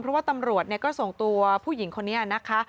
เพราะว่าตำรวจก็ส่งตัวผู้หญิงคนนี้นะคะ